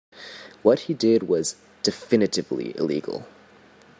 What he did was definitively illegal.